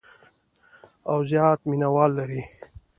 او زیات مینوال لري.